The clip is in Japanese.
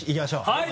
はい！